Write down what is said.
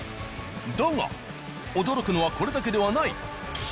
だが驚くのはこれだけではない。